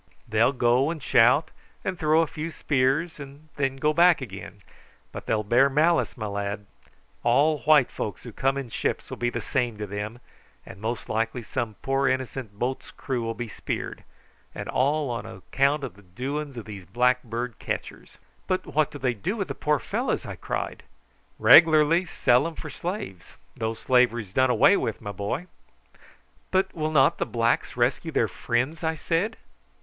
They'll go and shout and throw a few spears, and then go back again; but they'll bear malice, my lad. All white folks who come in ships will be the same to them, and most likely some poor innocent boat's crew will be speared, and all on account of the doings of these blackbird catchers." "But what do they do with the poor fellows?" I cried. "Reg'larly sell 'em for slaves, though slavery's done away with, my boy." "But will not the blacks rescue their friends?" I said.